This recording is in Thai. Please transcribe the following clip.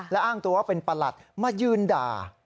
และอ้างตัวว่าเป็นประหลัดมายืนด่า